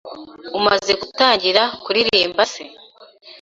Umaze gutangira kuririmba se,